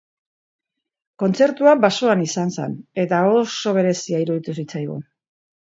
Kontzertua basoan izan zen eta oso berezia iruditu zitzaigun.